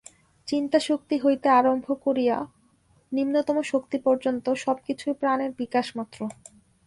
চিন্তাশক্তি হইতে আরম্ভ করিয়া নিম্নতম শক্তি পর্যন্ত সবকিছুই প্রাণের বিকাশমাত্র।